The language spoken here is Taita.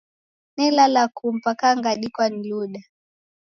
Nelala ku mpaka ngadikwa ni luda.